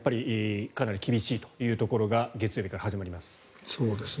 かなり厳しいというところが月曜日から始まります。